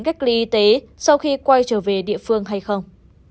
cách ly y tế sau khi quay trở về địa phương hay không